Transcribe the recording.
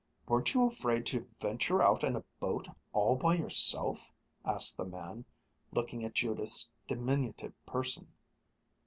"Weren't you afraid to venture out in a boat all by yourself?" asked the man, looking at Judith's diminutive person.